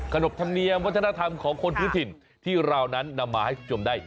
นบธรรมเนียมวัฒนธรรมของคนพื้นถิ่นที่เรานั้นนำมาให้คุณผู้ชมได้